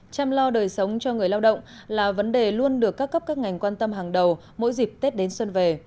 chăm lo đời sống cho người lao động là vấn đề luôn được các cấp các ngành quan tâm hàng đầu mỗi dịp tết đến xuân về